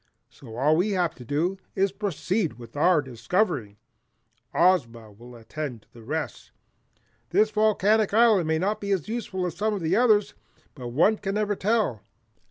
So all we have to do is to proceed with our discovering. Ozma will attend to the rest. This volcanic island may not be as useful as some of the others, but one can never tell.